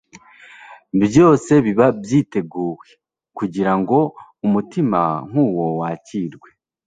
Byose biba byiteguwe, kugira ngo umutima nk'uwo wakirwe,